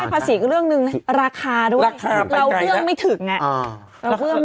ภาษีก็เรื่องนึงราคาด้วยเราเวื่องไม่ถึง